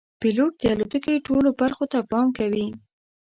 پیلوټ د الوتکې ټولو برخو ته پام کوي.